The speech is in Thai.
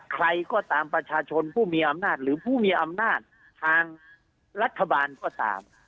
ใครก็ตามประชาชนผู้มีอำนาจหรือผู้มีอำนาจทางรัฐบาลก็ตาม